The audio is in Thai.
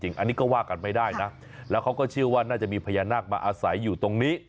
อันนี้ก็ว่ากันไม่ได้นะแล้วเขาก็เชื่อว่าน่าจะมีพญานาคมาอาศัยอยู่ตรงนี้